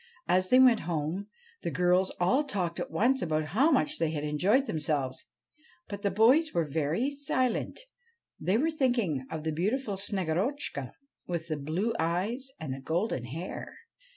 As they went home, the girls all talked at once about how much they had enjoyed themselves, but the boys were very silent ; they were thinking of the beautiful Snegorotchka with the blue eyes and the golden hair.